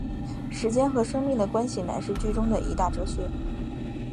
时间和生命的关系乃是剧中的一大哲学。